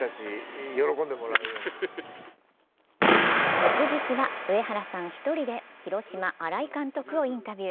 翌日は上原さん１人で広島・新井監督をインタビュー。